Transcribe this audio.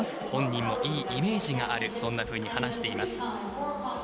本人もいいイメージがあるそんなふうに話しています。